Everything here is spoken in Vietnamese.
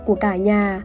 của cả nhà